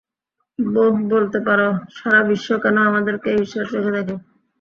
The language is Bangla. বোহ, বলতে পার, সারা বিশ্ব কেন আমাদেরকে ঈর্ষার চোখে দেখে?